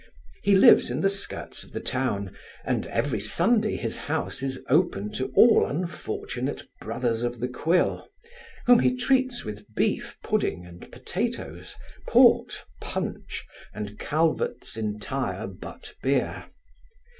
He lives in the skirts of the town, and every Sunday his house is opened to all unfortunate brothers of the quill, whom he treats with beef, pudding, and potatoes, port, punch, and Calvert's entire butt beer.